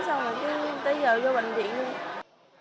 xong rồi tới giờ vô bệnh viện